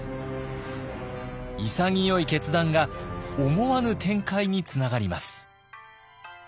潔い決断が思わぬ展開につながります。